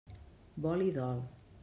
Vol i dol.